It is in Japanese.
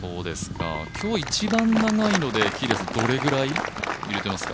今日一番長いのでどれぐらい入れていますか？